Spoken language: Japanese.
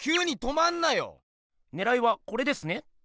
ねらいはこれですね？